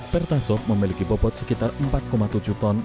pertasok memiliki bobot sekitar empat tujuh ton